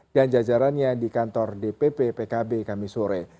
dan jajarannya di kantor dpp pkb kami sore